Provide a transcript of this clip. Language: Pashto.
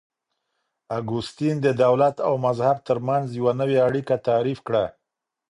اګوستين د دولت او مذهب ترمنځ يوه نوې اړيکه تعريف کړه.